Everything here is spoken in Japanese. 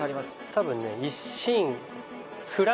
多分ね